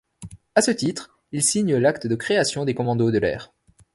À ce titre, il signe l'acte de création des commandos de l'air.